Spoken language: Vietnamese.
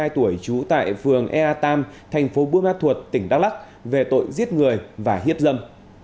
hai mươi tuổi trú tại phường ea tam thành phố buôn ma thuột tỉnh đắk lắc về tội giết người và hiếp dâm